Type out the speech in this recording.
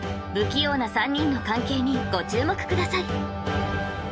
不器用な３人の関係にご注目ください